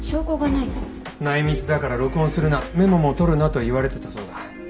内密だから録音するなメモも取るなと言われてたそうだ。